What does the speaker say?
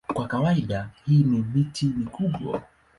Kwa kawaida hii ni miti mikubwa.